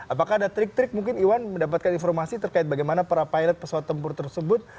apakah ada trik trik mungkin iwan mendapatkan informasi terkait bagaimana para pilot pesawat tempur tersebut